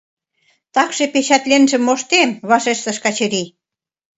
Такше печатленже моштем, — вашештыш Качырий.